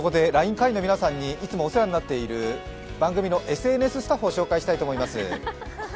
会員の皆さんにいつもお世話になっている番組のＳＮＳスタッフを紹介したいと思います。